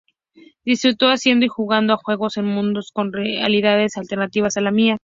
Disfruto haciendo y jugando a juegos en mundos con realidades alternativas a la mía.